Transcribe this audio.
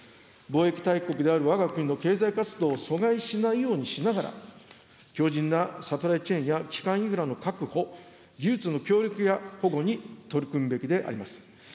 防衛大国であるわが国の経済活動を阻害しないようにしながら、強じんなサプライチェーンや基幹インフラの確保、技術の協力や保護に取り組むべきであります。